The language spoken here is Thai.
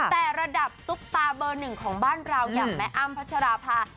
แต่ระดับซุปตาเบอร์หนึ่งของบ้านเราอย่างแม่อ้ำพัชราภา